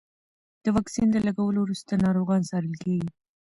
د واکسین د لګولو وروسته ناروغان څارل کېږي.